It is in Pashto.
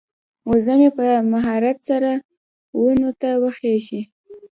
وزه مې په مهارت سره ونو ته خیژي.